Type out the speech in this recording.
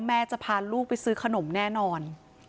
แม่จะพาลูกไปซื้อขนมแน่นอน